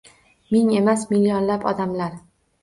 Ming emas, millionlab odamlar